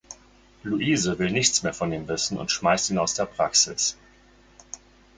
Luise will nichts mehr von ihm wissen und schmeißt ihn aus der Praxis.